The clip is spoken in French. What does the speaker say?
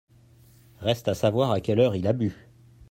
Reste à savoir à quelle heure il a bu.